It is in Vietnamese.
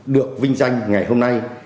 được vinh danh ngày hôm nay